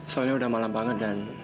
soalnya sudah malam banget dan